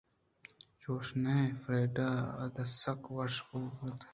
چوش نہ اِنت فریڈا ءَ ادا سک وش بوتگ اَت